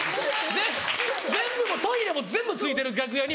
全部もうトイレも全部付いてる楽屋に。